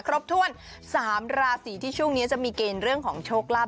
ครบถ้วน๓ราศีที่ช่วงนี้จะมีเกณฑ์เรื่องของโชคลาภ